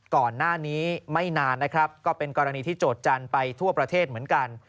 ก่อนหน้านี้ไม่นานนะครับก็เป็นกรณีที่โจทย์จันทร์ไปทั่วประเทศเหมือนกัน